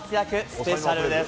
スペシャルです。